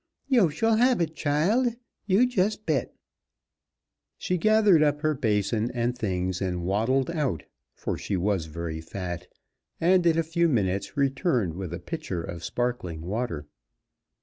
"Yo' shall hab it, child, yo' jis' bet!" She gathered up her basin and things and waddled out, for she was very fat, and in a few minutes returned with a pitcher of sparkling water.